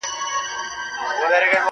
تر سفر مخکي د مرګ په خوله کي بند وو -